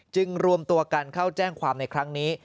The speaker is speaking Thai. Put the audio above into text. รวมตัวกันเข้าแจ้งความในครั้งนี้